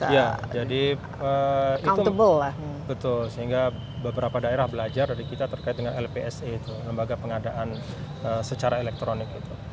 ya sehingga beberapa daerah belajar dari kita terkait dengan lpsc lembaga pengadaan secara elektronik